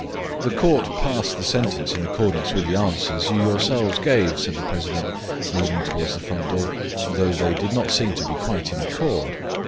"The Court passed the sentence in accordance with the answers you yourselves gave," said the president, moving towards the front door; "though they did not seem to be quite in accord."